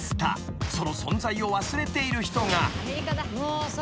［その存在を忘れている人が］